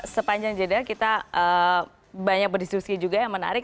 sepanjang jeda kita banyak berdiskusi juga yang menarik